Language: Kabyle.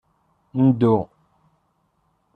Ndu.